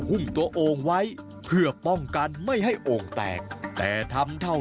หุ้มตัวองค์ไว้เพื่อป้องกันไม่ให้องค์แตกแต่ทำเท่า